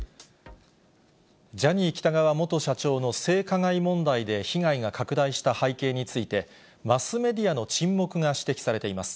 ジャニー喜多川元社長の性加害問題で被害が拡大した背景について、マスメディアの沈黙が指摘されています。